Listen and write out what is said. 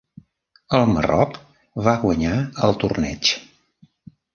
El Marroc va guanyar el torneig.